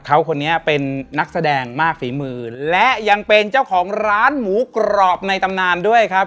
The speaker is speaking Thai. เขาคนนี้เป็นนักแสดงมากฝีมือและยังเป็นเจ้าของร้านหมูกรอบในตำนานด้วยครับ